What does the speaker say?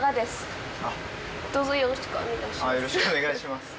よろしくお願いします。